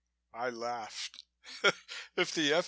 I laughed. "If the F.